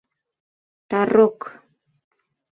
Тарокк!